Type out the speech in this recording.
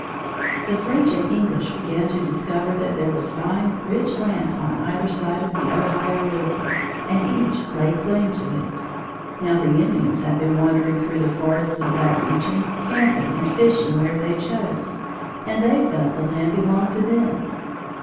The French and English began to discover that there was fine, rich land on either side of the Ohio River, and each laid claim to it. Now the Indians had been wandering through the forests of that region, camping and fishing where they chose, and they felt the land belonged to them.